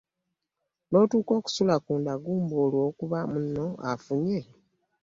N'otuuka okusula ku ndagu mbu olw'okuba munno afunye!